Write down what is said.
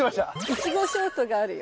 イチゴショートがあるよ。